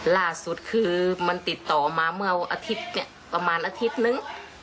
ล่าสุดคือมันติดต่อมาเมื่ออาทิตย์เนี่ยประมาณอาทิตย์นึง